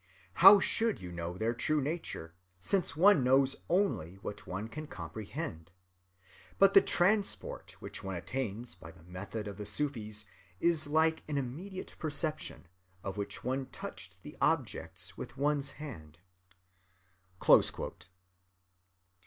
How should you know their true nature, since one knows only what one can comprehend? But the transport which one attains by the method of the Sufis is like an immediate perception, as if one touched the objects with one's hand."